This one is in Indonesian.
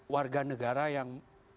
warga negara yang